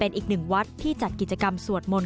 อีกหนึ่งวัดที่จัดกิจกรรมสวดมนต